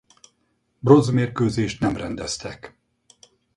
Bronzmérkőzést nem rendeztek.